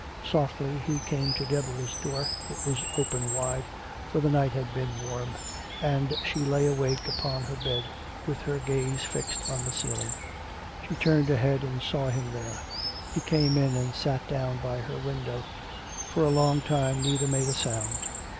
Softly he came to Deborah's door. It was open wide, for the night had been warm, and she lay awake upon her bed with her gaze fixed on the ceiling. She turned her head and saw him there. He came in and sat down by her window. For a long time neither made a sound.